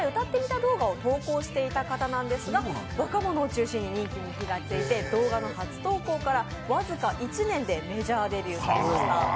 動画を投稿していた方なんですが若者を中心に人気に火がついて、動画の初投稿から僅か１年でメジャーデビューされました。